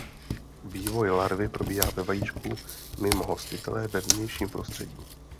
Vývoj larvy probíhá ve vajíčku mimo hostitele ve vnějším prostředí.